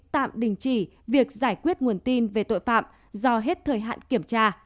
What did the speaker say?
tạm đình chỉ việc giải quyết nguồn tin về tội phạm do hết thời hạn kiểm tra